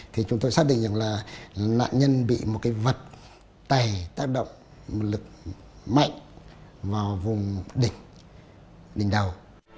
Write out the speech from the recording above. thì chúng tôi xác định rằng là nạn nhân bị một cái vật tài tác động lực mạnh vào vùng địch đỉnh đầu